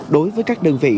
đối với các đơn vị